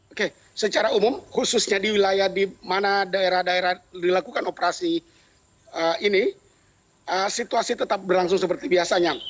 oke secara umum khususnya di wilayah di mana daerah daerah dilakukan operasi ini situasi tetap berlangsung seperti biasanya